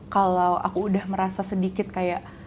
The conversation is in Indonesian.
kalau aku udah merasa sedikit kayak